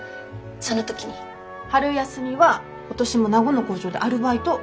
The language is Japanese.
春休みは今年も名護の工場でアルバイト。